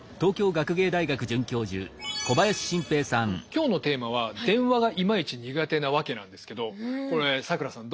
今日のテーマは「電話がイマイチ苦手なワケ」なんですけどこれ咲楽さん